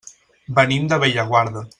Venim de Bellaguarda.